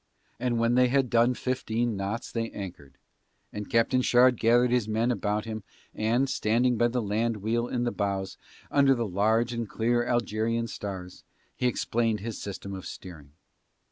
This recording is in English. And when they had done fifteen knots they anchored, and Captain Shard gathered his men about him and, standing by the land wheel in the bows, under the large and clear Algerian stars, he explained his system of steering.